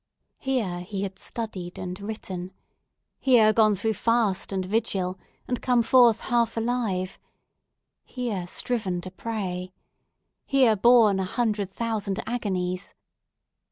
Here he had studied and written; here gone through fast and vigil, and come forth half alive; here striven to pray; here borne a hundred thousand agonies!